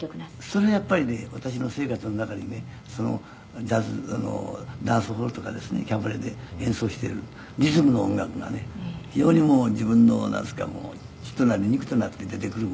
「それやっぱりね私の生活の中にねジャズダンスホールとかですねキャバレーで演奏してるリズムの音楽がね非常に自分のなんですかもう血となり肉となって出てくるものですからね」